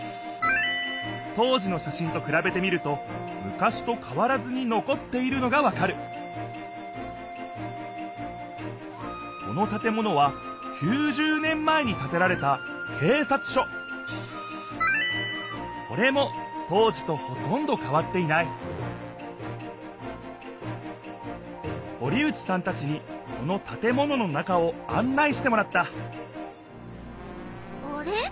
当時のしゃしんとくらべてみると昔と変わらずに残っているのがわかるこの建物は９０年前に建てられたけいさつしょこれも当時とほとんど変わっていない堀内さんたちにこの建物の中をあん内してもらったあれ？